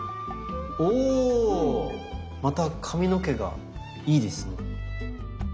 おまた髪の毛がいいです。